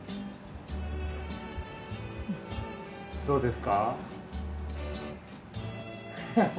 どうですか？